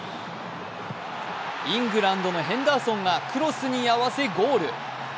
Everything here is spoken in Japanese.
イングランドのヘンダーソンがクロスに合わせゴール。